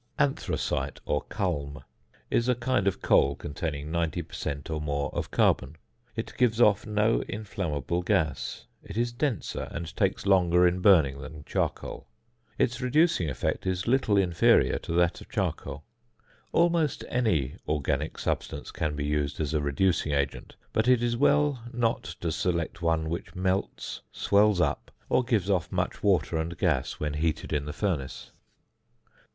~Anthracite~ or ~Culm~ is a kind of coal containing 90 per cent. or more of carbon. It gives off no inflammable gas. It is denser, and takes longer in burning, than charcoal. Its reducing effect is little inferior to that of charcoal. Almost any organic substance can be used as a reducing agent, but it is well not to select one which melts, swells up, or gives off much water and gas when heated in the furnace.